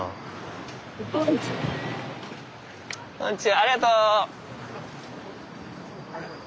ありがとう！